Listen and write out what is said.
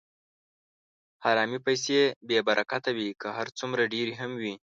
حرامې پیسې بېبرکته وي، که هر څومره ډېرې هم وي.